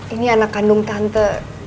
ini anak kandung tante